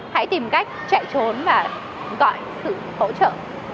hãy tìm cách chạy trốn và gọi sự hỗ trợ